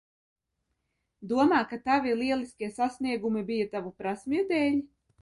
Domā, ka tavi lieliskie sasniegumi bija tavu prasmju dēļ?